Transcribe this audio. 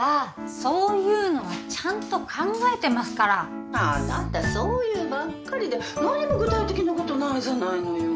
そういうのはちゃんと考えてますから☎あなたそう言うばっかりで☎何も具体的なことないじゃないのよ